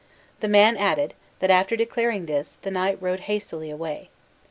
The man added, that after declaring this, the knight rode hastily away.